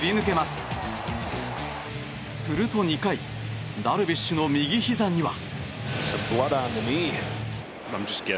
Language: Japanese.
すると２回ダルビッシュの右ひざには。